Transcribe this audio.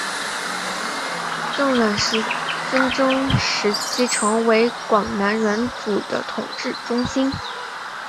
郑阮纷争时期成为广南阮主的统治中心。